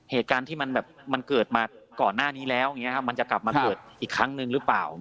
เหตุการณ์ที่มันเกิดมาก่อนหน้านี้แล้วมันจะกลับมาเกิดอีกครั้งหนึ่งหรือเปล่า